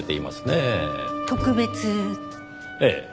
ええ。